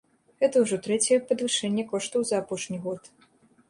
Гэта ўжо трэцяе падвышэнне коштаў за апошні год.